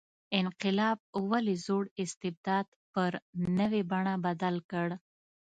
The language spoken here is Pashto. انقلاب ولې زوړ استبداد پر نوې بڼې بدل نه کړ.